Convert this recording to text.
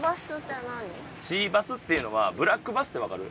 シーバスっていうのはブラックバスってわかる？